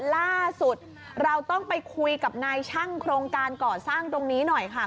ล่าสุดเราต้องไปคุยกับนายช่างโครงการก่อสร้างตรงนี้หน่อยค่ะ